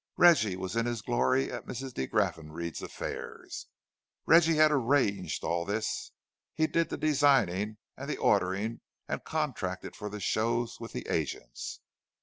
Reggie was in his glory at Mrs. de Graffenried's affairs. Reggie had arranged all this—he did the designing and the ordering, and contracted for the shows with the agents.